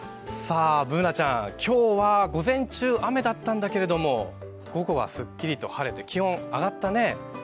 Ｂｏｏｎａちゃん、今日は午前中雨だったんだけれども、午後はすっきりと晴れて、気温上がったね。